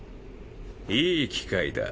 いい機会だ。